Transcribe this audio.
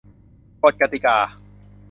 กฎกติกา